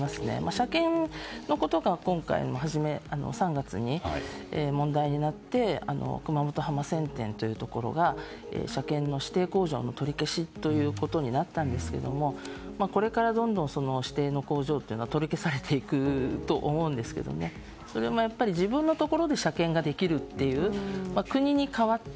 車検のことが今回今年の３月に問題になって熊本の店舗が車検の指定工場の取り消しになったんですけれどもこれからどんどん指定の工場は取り消されていくと思うんですがそれも自分のところで車検ができるという国に代わって